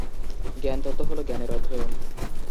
জ্ঞানতত্ত্ব হল জ্ঞানের অধ্যয়ন।